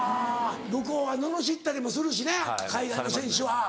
向こうはののしったりもするしね海外の選手は。